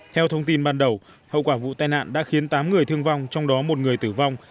theo thông tin ban đầu hậu quả vụ tai nạn đã khiến tám người thương vong trong đó một người tử vong